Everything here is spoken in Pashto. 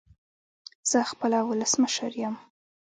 زه خپله ولسمشر يم